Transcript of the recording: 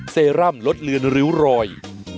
เซรั่มลดเลือนริ้วรอย